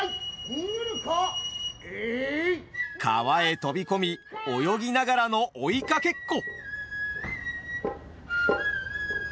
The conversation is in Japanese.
川へ飛び込み泳ぎながらの追いかけっこ！